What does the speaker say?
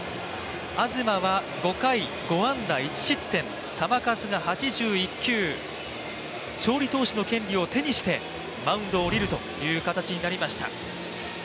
東は５回、５安打１失点、球数が８１球、勝利投手の権利を手にしてマウンドを降りるという形になりました。